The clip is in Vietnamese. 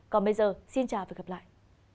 còn bây giờ xin chào và gặp lại